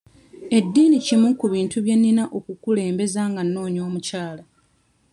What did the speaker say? Eddiini kimu ku bintu bye nnina okukulembeza nga nnoonya omukyala.